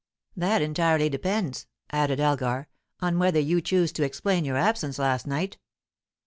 "That entirely depends," added Elgar, "on whether you choose to explain your absence last night."